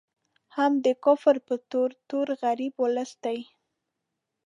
هم د کفر په تور، تور غریب ولس دی